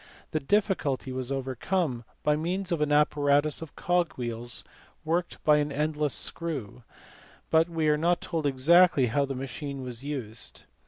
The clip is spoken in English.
The difficulty was overcome by means of an apparatus of cogwheels worked by an endless screw, but we are not told exactly how the machine was used.